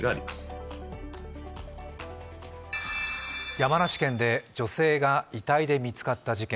山梨県で女性が遺体で見つかった事件。